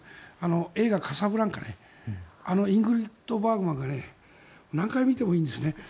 映画「カサブランカ」あのイングリッド・バーグマンが何度見てもいいんですね。